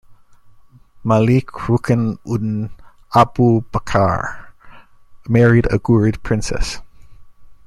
Malik Rukn-uddin Abu Bakr, married a Ghurid princess.